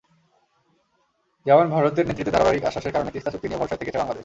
যেমন ভারতের নেতৃত্বের ধারাবাহিক আশ্বাসের কারণে তিস্তা চুক্তি নিয়ে ভরসায় থেকেছে বাংলাদেশ।